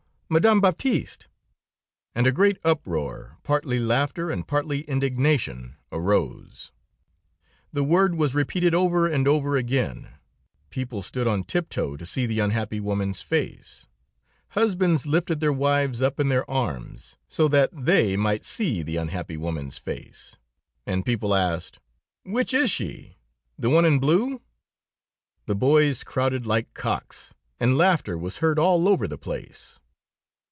Madame Baptiste!' "And a great uproar, partly laughter, and partly indignation, arose. The word was repeated over and over again; people stood on tip toe to see the unhappy woman's face; husbands lifted their wives up in their arms, so that they might see the unhappy woman's face, and people asked: "'Which is she? The one in blue?' "The boys crowed like cocks, and laughter was heard all over the place.